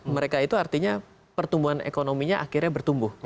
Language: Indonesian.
mereka itu artinya pertumbuhan ekonominya akhirnya bertumbuh